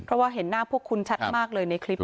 เพราะว่าเห็นหน้าพวกคุณชัดมากเลยในคลิป